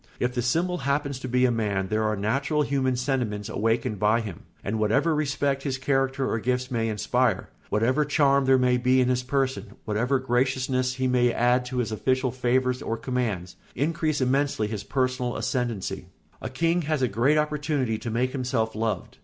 If the symbol happens to be a man there are natural human sentiments awakened by him; and whatever respect his character or gifts may inspire, whatever charm there may be in his person, whatever graciousness he may add to his official favours or commands, increase immensely his personal ascendency. A king has a great opportunity to make himself loved.